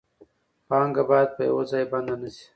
پانګه باید په یو ځای بنده نشي.